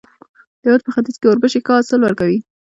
د هېواد په ختیځ کې اوربشې ښه حاصل ورکوي.